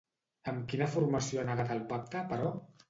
Amb quina formació ha negat el pacte, però?